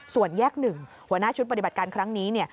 ส่วนแยก๑หัวหน้าชุดปฏิบัติการครั้งนี้เนี่ย